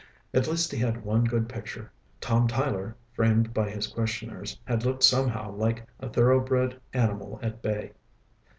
At least he had one good picture. Tom Tyler, framed by his questioners, had looked somehow like a thoroughbred animal at bay.